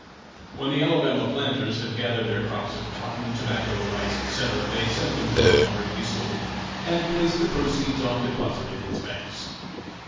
When the Alabama planters had gathered their crops of cotton, tobacco, rice, etc., they sent them to Montgomery to be sold, and placed the proceeds on deposit in its banks.